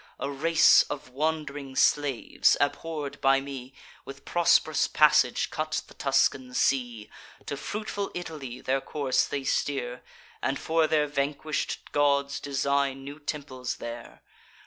A race of wand'ring slaves, abhorr'd by me, With prosp'rous passage cut the Tuscan sea; To fruitful Italy their course they steer, And for their vanquish'd gods design new temples there.